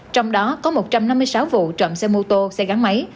trong đó có một trăm năm mươi sáu vụ trộm xe mô tô xe gắn máy